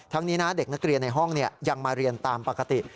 นี้นะเด็กนักเรียนในห้องยังมาเรียนตามปกติ